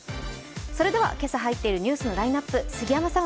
それでは今朝入っているニュースのラインナップ、杉山さん